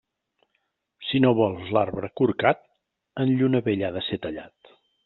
Si no vols l'arbre corcat, en lluna vella ha de ser tallat.